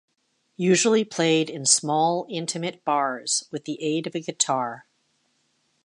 Usually played in small, intimate bars with the aid of a guitar.